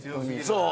そう。